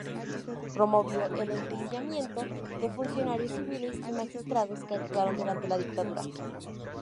Promovió el enjuiciamiento de funcionarios civiles y magistrados que actuaron durante la dictadura.